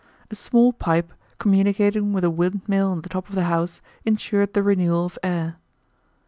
A small pipe, communicating with a wind mill on the top of the house, insured the renewal of air.